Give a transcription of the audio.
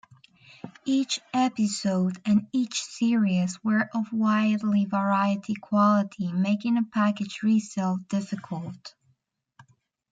Each episode and each series were of widely varying quality, making package re-sale difficult.